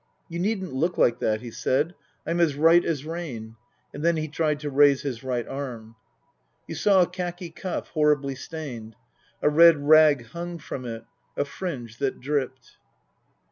" You needn't look like that," he said. "I'm as right as rain." And then he tried to raise his right arm. You saw a khaki cuff, horribly stained. A red rag hung from it, a fringe that dripped.